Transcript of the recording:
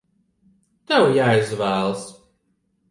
Tev jāizvēlas!